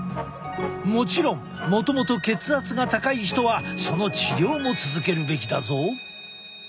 もちろんもともと血圧が高い人はその治療も続けるべきだぞ。